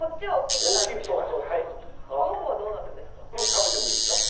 食べてもいいですよ。